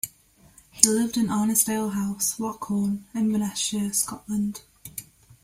He lived in Arnisdale House, Loch Hourn, Inverness-shire, Scotland.